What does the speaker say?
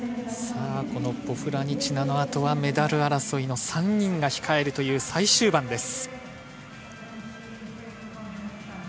ポフラニチナの後はメダル争いの３人が控えるという最終盤です。